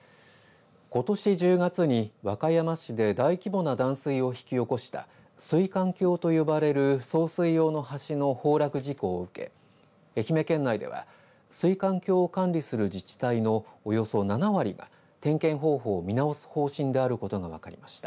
ことし１０月に和歌山市で大規模な断水を引き起こした水管橋と呼ばれる送水用の橋の崩落事故を受け愛媛県内では水管橋を管理する自治体のおよそ７割が点検方法を見直す方針であることが分かりました。